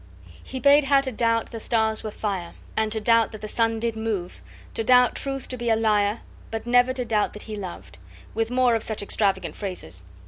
He bade her to doubt the stars were fire, and to doubt that the sun did move, to doubt truth to be a liar, but never to doubt that he loved; with more of such extravagant phrases.